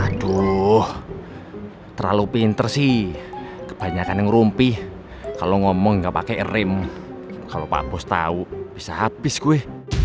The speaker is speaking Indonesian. aduh terlalu pinter sih kebanyakan yang rumpih kalau ngomong nggak pakai rem kalau pak bos tahu bisa habis gue